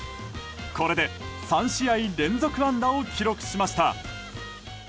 これで３試合連続安打を記録しました。